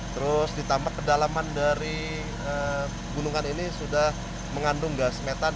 terus ditambah kedalaman dari gunungan ini sudah mengandung gas metan